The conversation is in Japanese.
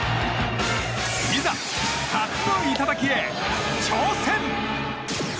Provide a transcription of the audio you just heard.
いざ、初の頂きへ頂戦！